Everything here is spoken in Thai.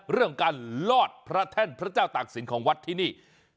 เรื่องการรอดประธานพระเจ้าตากสินของวัดที่นี่